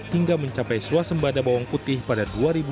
hingga mencapai suasembada bawang putih pada dua ribu dua puluh